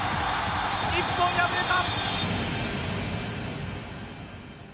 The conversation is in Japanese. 日本、敗れた！